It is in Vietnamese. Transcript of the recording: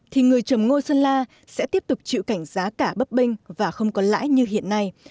thì người trồng ngô sơn la sẽ tiếp tục chịu cảnh giá cả bấp binh và không có lãi như hiện nay